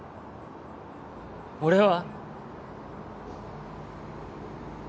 俺は。